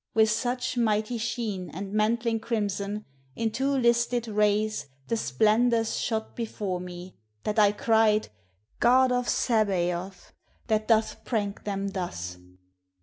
With such mighty sheen And mantling crimson, in two listed rays The splendors shot before me, that I cried, " God of Sabaoth ! that dost prank them thus